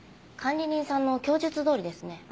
管理人さんの供述どおりですね。